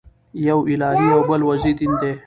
یو الهي او بل وضعي دین دئ.